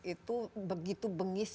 itu begitu bengis